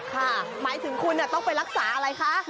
หมายถึงคุณต้องไปรักษาอะไรคะ